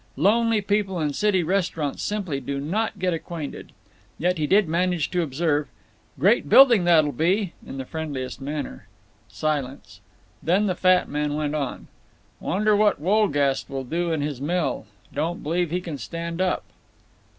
Lonely people in city restaurants simply do not get acquainted. Yet he did manage to observe, "Great building that'll be," in the friendliest manner. Silence. Then the fat man went on: "Wonder what Wolgast will do in his mill? Don't believe he can stand up."